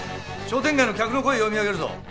商店街の客の声読み上げるぞ。